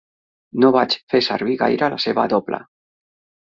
No vaig fer servir gaire la seva doble.